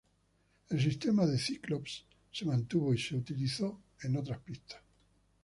El sistema de Cyclops se mantuvo y se utilizó en otras pistas.